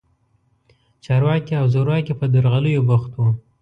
چارواکي او زورواکي په درغلیو بوخت وو.